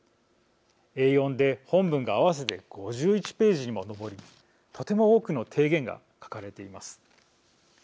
Ａ４で本文が合わせて５１ページにも上りとても多くの提言が書かれています。